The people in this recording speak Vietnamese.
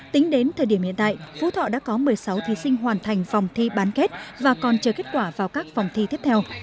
tính đến thời điểm hiện tại phú thọ đã có một mươi sáu thí sinh hoàn thành phòng thi bán kết và còn chờ kết quả vào các phòng thi tiếp theo